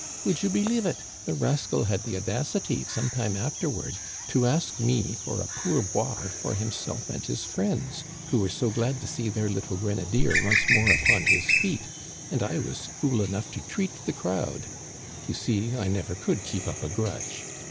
Would you believe it, the rascal had the audacity some time afterward, to ask me for sl paur boire for himself and his friends, who were so glad to see their little grenadier once more upon his feet ; and I was fool enough to treat the crowd.» You see, I never could keep up a grudge.